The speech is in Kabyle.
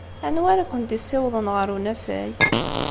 Anwa ara kent-yessiwḍen ɣer unafag?